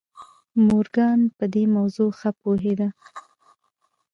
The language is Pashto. مورګان پر دې موضوع ښه پوهېده.